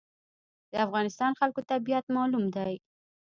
د افغانستان خلکو طبیعت معلوم دی.